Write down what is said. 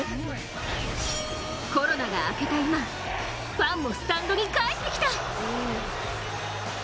コロナが明けた今、ファンもスタンドに帰ってきた。